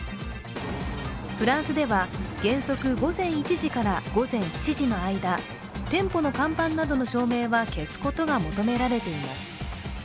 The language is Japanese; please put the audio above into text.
フランスでは原則午前１時から午前７時の間店舗の看板などの照明は消すことが求められています。